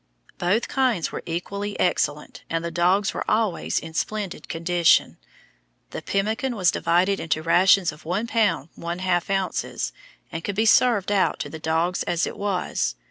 Both kinds were equally excellent, and the dogs were always in splendid condition. The pemmican was divided into rations of 1 pound 1.5 ounces, and could be served out to the dogs as it was.